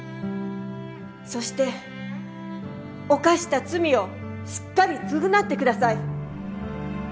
そして犯した罪をしっかり償って下さい。